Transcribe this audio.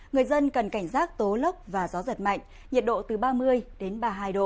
người dân cần cảnh giác tố lốc và gió giật mạnh nhiệt độ từ ba mươi đến ba mươi hai độ